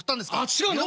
「違うの？」。